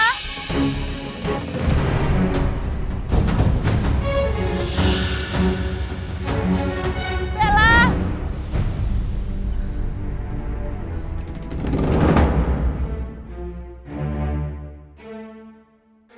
aku cuma pengen tahu aja